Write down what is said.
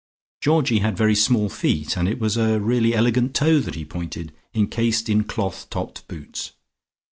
Georgie had very small feet, and it was a really elegant toe that he pointed, encased in cloth topped boots.